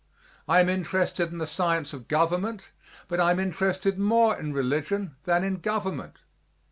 I am interested in the science of government, but I am interested more in religion than in government.